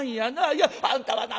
いやあんたはな